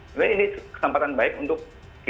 jadi ini kesempatan baik untuk kita untuk berkomunikasi